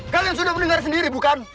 kalian sudah mendengar sendiri bukan